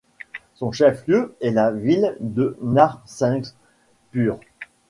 Son chef-lieu est la ville de Narsinghpur.